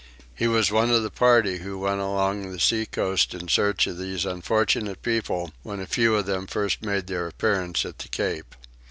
He was one of the party who went along the sea coast in search of these unfortunate people when a few of them first made their appearance at the Cape.